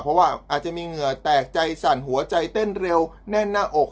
เพราะว่าอาจจะมีเหงื่อแตกใจสั่นหัวใจเต้นเร็วแน่นหน้าอก